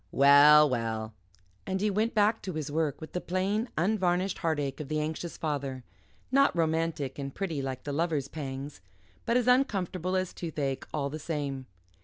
Well, well," and he went back to his work with the plain unvarnished heartache of the anxious father not romantic and pretty like the lover's pangs, but as uncomfortable as toothache, all the same.